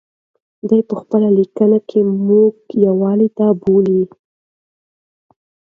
دی په خپلو لیکنو کې موږ یووالي ته بولي.